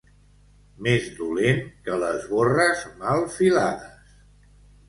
Més dolent que les borres mal filades.